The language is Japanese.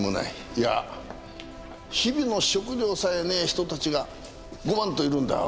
いや日々の食料さえねえ人たちがごまんといるんだよ